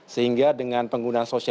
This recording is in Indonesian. sehingga dengan pengguna sosial